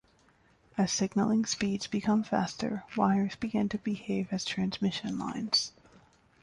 As signaling speeds become faster, wires begin to behave as transmission lines.